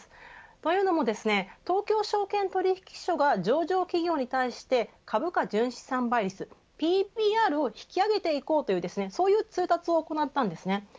というのも東京証券取引所が上場企業に対して株価純資産倍率ＰＢＲを引き上げていこうというそういう通達を行ったんです。